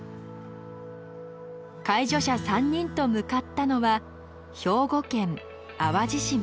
介助者３人と向かったのは兵庫県淡路島。